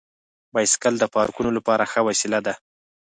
بایسکل د پارکونو لپاره ښه وسیله ده.